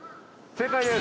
正解です。